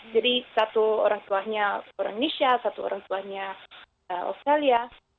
jadi satu orang tuanya orang indonesia satu orang tuanya australia